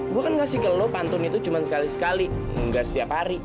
gue kan ngasih ke lo pantun itu cuma sekali sekali enggak setiap hari